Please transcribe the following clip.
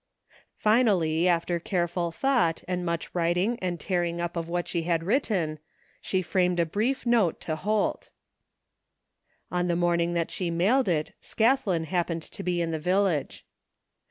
Finally, after careful thought, and much writing and tearing up of what she had written she framed a brief note to Holt. 171 THE FINDING OF JASPER HOLT On the morning that she mailed it Scathlin hap pened to be in the village.